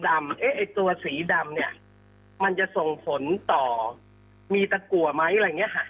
ไอ้ตัวสีดำเนี่ยมันจะส่งผลต่อมีตะกัวไหมอะไรอย่างนี้ค่ะ